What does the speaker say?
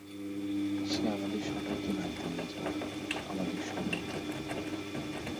সে আমাদের সবাইকে বাড়িতে নিয়ে যাবে, আমাদের সবাইকে।